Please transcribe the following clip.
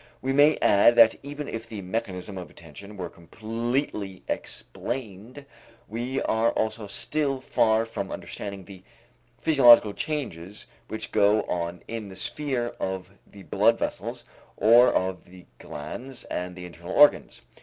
We may add that even if the mechanism of attention were completely explained, we are also still far from understanding the physiological changes which go on in the sphere of the blood vessels or of the glands and the internal organs.